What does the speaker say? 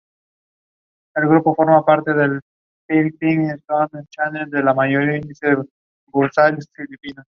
Desprende un olor caprino, de bodegas de piedra.